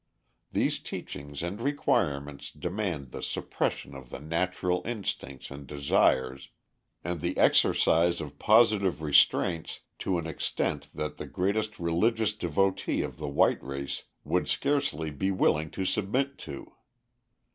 These teachings and requirements demand the suppression of the natural instincts and desires, and the exercise of positive restraints to an extent that the greatest religious devotee of the white race would scarcely be willing to submit to.